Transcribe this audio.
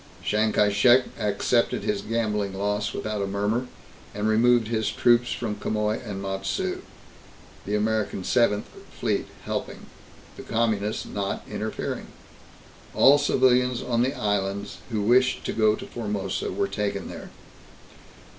Chiang Kai Shek accepted his gambling loss without a murmur and removed his troops from Quemoy and Matsu, the American Seventh Fleet helping, the Communists not interfering. All civilians on the islands who wished to go to Formosa were taken there.